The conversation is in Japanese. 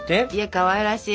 かわいらしい。